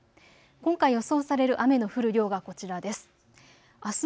今回予想される雨の降る量がこちらです。